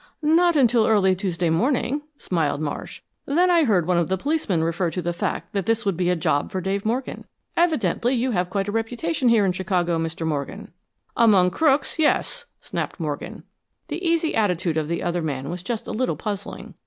"Not until early Tuesday morning," smiled Marsh. "Then I heard one of the policemen refer to the fact that this would be a job for Dave Morgan. Evidently you have quite a reputation here in Chicago, Mr. Morgan." "Among crooks yes," snapped Morgan. The easy attitude of the other man was just a little puzzling.